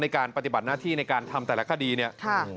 ในการปฏิบัติหน้าที่ในการทำแต่ละคดีเนี่ย